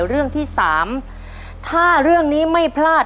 เรื่องที่สามถ้าเรื่องนี้ไม่พลาด